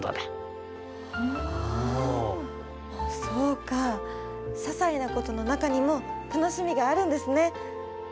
そうかささいなことのなかにもたのしみがあるんですね。